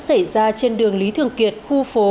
xảy ra trên đường lý thường kiệt khu phố